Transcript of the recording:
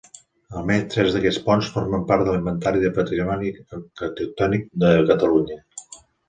Almenys tres d'aquests ponts formen part de l'Inventari del Patrimoni Arquitectònic de Catalunya.